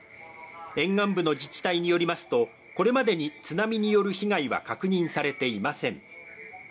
沿岸部の自治体によりますと、これまでに津波による被害は確認されていません。